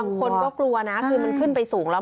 คนก็กลัวนะคือมันขึ้นไปสูงแล้ว